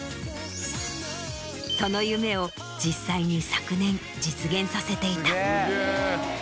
その夢を実際に昨年実現させていた。